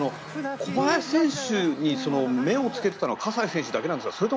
小林選手に目をつけていたのは葛西選手だけなんですか？